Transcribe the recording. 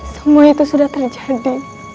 semua itu sudah terjadi